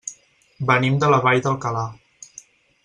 Venim de la Vall d'Alcalà.